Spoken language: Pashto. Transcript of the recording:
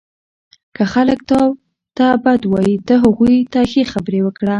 • که خلک تا ته بد وایي، ته هغوی ته ښې خبرې وکړه.